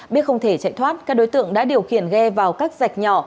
biết không thể chạy thoát các đối tượng đã điều khiển ghe vào các dạch nhỏ